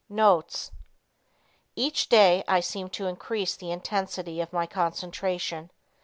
Notes. "Each day I seem to increase the intensity of my concentration.